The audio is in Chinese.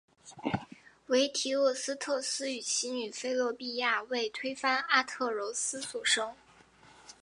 为堤厄斯忒斯与其女菲洛庇亚为推翻阿特柔斯所生。